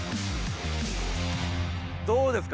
どうですか？